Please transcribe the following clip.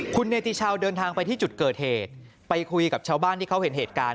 คุณเนติชาวเดินทางไปที่จุดเกิดเหตุไปคุยกับชาวบ้านที่เขาเห็นเหตุการณ์